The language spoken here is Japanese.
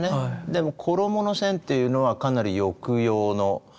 でも衣の線というのはかなり抑揚のある線で。